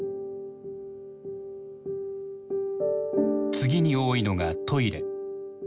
次に多いのがトイレ。